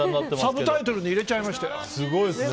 サブタイトルに入れちゃいました。